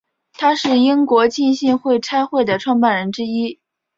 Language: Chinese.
他是英国浸信会差会的创办人之一。